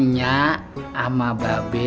nyak sama babe